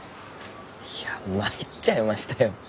いや参っちゃいましたよ。